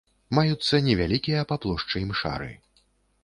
Маюцца невялікія па плошчы імшары.